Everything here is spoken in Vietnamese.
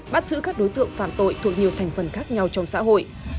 bắt giữ các đối tượng phạm tội thuộc nhiều thành phần khác nhau trong xã hội đối tượng